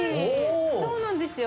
そうなんですよ。